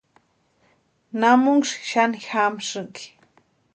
¿Namunksï xani jamsïnki?